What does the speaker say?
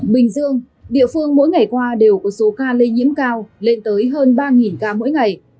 bình dương địa phương mỗi ngày qua đều có số ca lây nhiễm cao lên tới hơn ba ca mỗi ngày